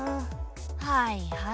はいはい。